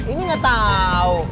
ini ga tau